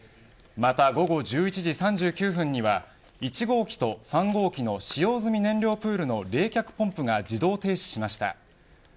また午後１１時３９分には１号機と３号機の使用済み燃料プールの冷却ポンプが自動停止しました。